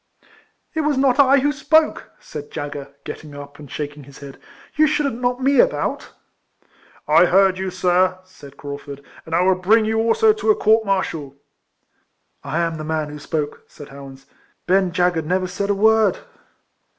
" It was not I who spoke," said dagger, getting up, and shaking his head. " You shouldn't knock me about." " I heard you, sir," said Craufurd ;" and I will bring you also to a court martial." " I am the man who spoke," said Howans. " Ben dagger never said a word."